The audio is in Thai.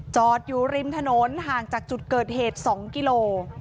จอดอยู่ริมถนนห่างจากจุดเกิดเหตุ๒กิโล